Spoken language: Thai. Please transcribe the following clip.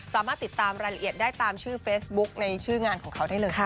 สามารถติดตามรายละเอียดได้ตามชื่อเฟซบุ๊กในชื่องานของเขาได้เลย